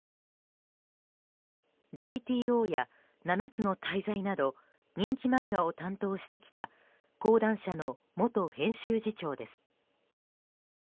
「ＧＴＯ」や「七つの大罪」など人気漫画を担当してきた講談社の元編集次長です。